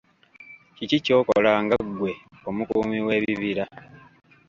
Kiki ky'okola nga ggwe omukuumi w'ebibira?